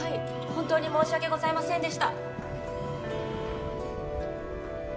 本当に申し訳ございませんでした